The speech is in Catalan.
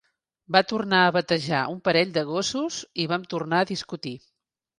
Va tornar a batejar un parell de gossos i vam tornar a discutir.